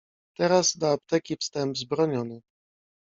"Teraz do apteki wstęp wzbroniony."